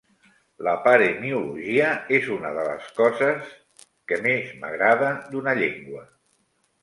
La paremiologia és una de les coses que més m'agrada d'una llengua.